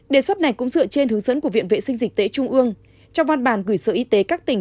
đề xuất này cũng dựa trên hướng dẫn của viện vệ sinh dịch tễ trung ương trong văn bản gửi sở y tế các tỉnh